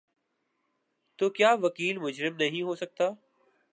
تو کیا وکیل مجرم نہیں ہو سکتا؟